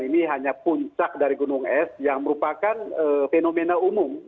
ini hanya puncak dari gunung es yang merupakan fenomena umum